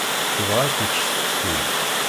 Tebɣa ad tečč seksu.